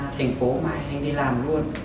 thành phố mà anh đi làm luôn